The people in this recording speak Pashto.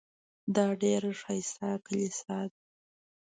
دا ډېره ښایسته کلیسا ده.